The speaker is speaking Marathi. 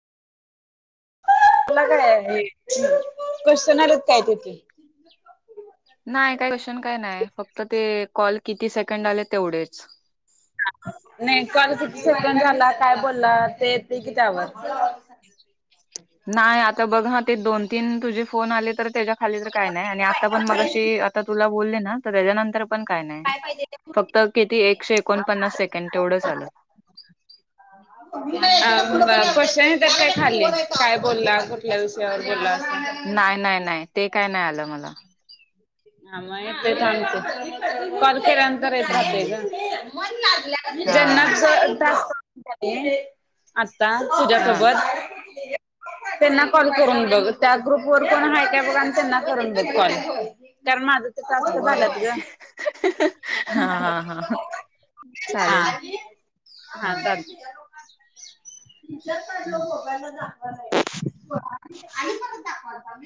तला काय क्वेशचन आलत काय तिथे. नाही काय कशन काय नाही फक्त ते कॉल किती सेकंड आले तेवढेच. नाही कल किती सेकंड झाला काय बोलला ते येत कि त्यावर. नाही आता बघ ना ते दोन तीन तुझे फोन आले तर त्याच्या खाली तर काय नाही आणि आता पण मगशी आता तुला बोलले ना तर त्याच्यानंतर.. पण काय नाही फक्त किती एकशे एकोणपन्नास सेकंड तेवढंच आलं. अ खश तर काय खाल्ले. काय बोलला कुठल्या विषयावर बोलला. असं. नाही नाही नाही ते काय नाही आलं मला आम येत त. ते नंतर येत राहते हम्म ग हा ज्यांना आता हा. तुझ्यासोबत त्यांना कॉल करून बघ त्या ग्रुप वर पण आहे काय बघ आणि त्यांना करून बघ कॉल. कारण माझा तर टास्क अगो बाई झालात ग. हा हा हा हा चालेल हा हम्म. तर टचर कालं मोबाईलला दाखवणार आहे आ परणत दाखवा [inaudible]